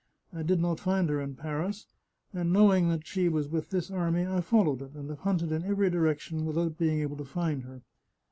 I did not find her in Paris, and knowing she was with this army I followed it, and have hunted in every direction with out being able to find her.